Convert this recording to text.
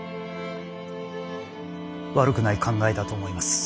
悪くない考えだと思います。